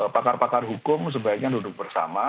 pakar pakar hukum sebaiknya duduk bersama